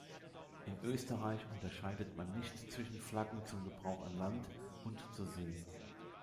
In Österreich unterscheidet man nicht zwischen Flaggen zum Gebrauch an Land und zur See.